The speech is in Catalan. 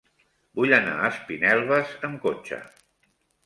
Vull anar a Espinelves amb cotxe.